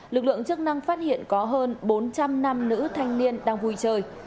lực lượng chức năng phát hiện có hơn bốn trăm linh nam nữ thanh niên đang vui chơi